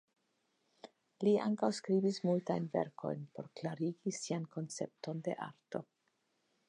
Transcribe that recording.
Li ankaŭ skribis multajn verkojn por klarigi sian koncepton de arto.